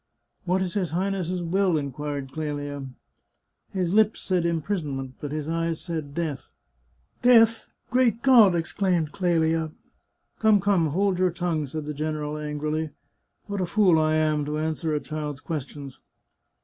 " What is his Highness's will ?" inquired Clelia. " His lips said ' imprisonment,' but his eyes said * death.' "" Death ! Great God !" exclaimed Clelia. " Come, come ! hold your tongue," said the general angrily. " What a fool I am to answer a child's ques tions